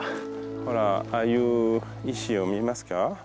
ほらああいう石を見えますか。